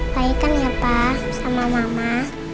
baikkan ya pa sama mama